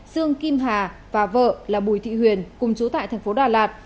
dương kim hà và vợ là bùi thị huyền cùng chú tại tp đà lạt